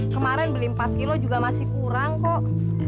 kemarin beli empat kilo juga masih kurang kok